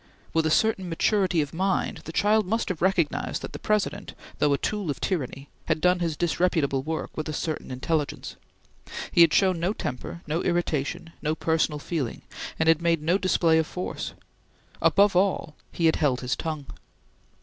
With a certain maturity of mind, the child must have recognized that the President, though a tool of tyranny, had done his disreputable work with a certain intelligence. He had shown no temper, no irritation, no personal feeling, and had made no display of force. Above all, he had held his tongue.